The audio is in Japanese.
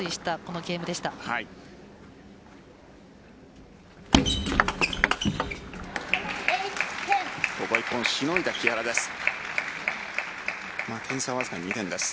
ここは１本しのいだ木原です。